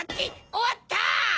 おわった！